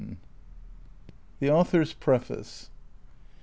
THE AUTHOR'S PREFACE.